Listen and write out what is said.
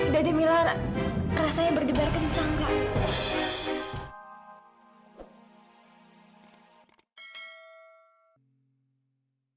dede mila rasanya berdebar kencang kak